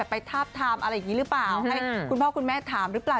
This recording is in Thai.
ทาบทามอะไรอย่างนี้หรือเปล่าให้คุณพ่อคุณแม่ถามหรือเปล่า